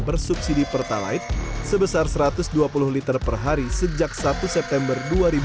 bersubsidi pertalite sebesar satu ratus dua puluh liter per hari sejak satu september dua ribu dua puluh